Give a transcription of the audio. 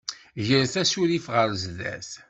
Gret asurif ɣer sdat.